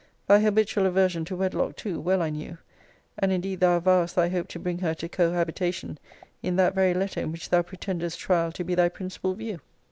Thy habitual aversion to wedlock too well I knew; and indeed thou avowest thy hope to bring her to cohabitation, in that very letter in which thou pretendest trial to be thy principal view.